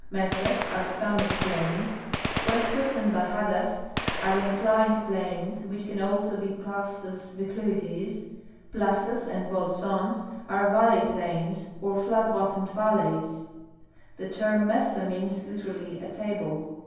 Mesas are summit plains ; cuestas and bajadas are inclined plains, which can also be classed as declivities; plazas and bolsons are valley plains or flat bottomed valleys. The term mesa means, literally, a table.